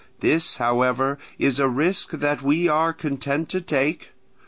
This, however, is a risk that we are content to take.